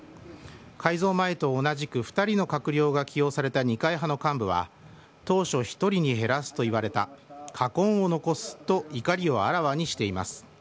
改造前と同じく２人の閣僚が起用された二階派の幹部は当初、１人に減らすと言われた禍根を残すと怒りをあらわにしています。